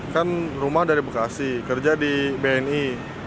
kan rumah dari bekasi kerja di bni